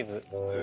え！？